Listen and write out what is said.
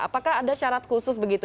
apakah ada syarat khusus begitu